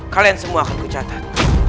kalian semua akan kucatat